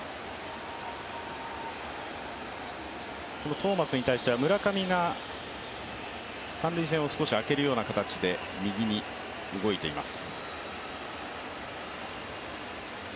トーマスに対しては村上が三塁線を少し空けるような形で右に動いています。